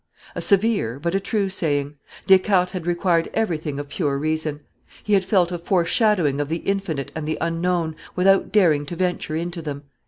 A severe, but a true saying; Descartes had required everything of pure reason; he had felt a foreshadowing of the infinite and the unknown without daring to venture into them.